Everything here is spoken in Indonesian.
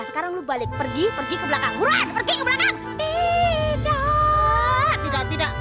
sekarang lu balik pergi pergi ke belakang lurahan pergi ke belakang tidak tidak